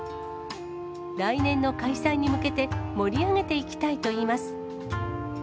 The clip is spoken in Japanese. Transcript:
来年の開催に向けて、盛り上げていきたいといいます。